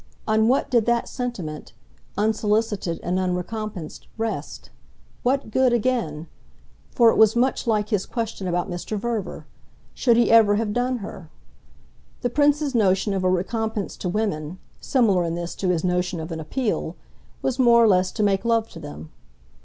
On what did that sentiment, unsolicited and unrecompensed, rest? what good, again for it was much like his question about Mr. Verver should he ever have done her? The Prince's notion of a recompense to women similar in this to his notion of an appeal was more or less to make love to them.